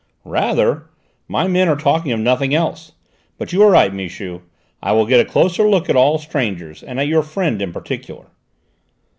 "Rather! My men are talking of nothing else. But you are right, Michu, I will get a closer look at all strangers, and at your friend in particular."